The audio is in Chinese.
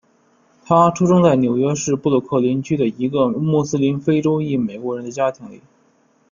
他出生在纽约市布鲁克林区的一个穆斯林非洲裔美国人的家庭里。